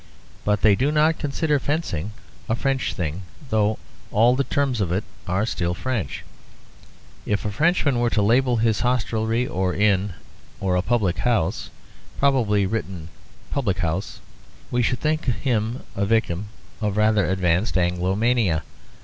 But they do not consider fencing a French thing, though all the terms of it are still French. If a Frenchman were to label his hostelry an inn or a public house (probably written publicouse) we should think him a victim of rather advanced Anglomania.